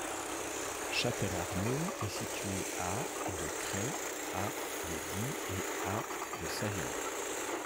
Chastel-Arnaud est situé à de Crest, à de Die et à de Saillans.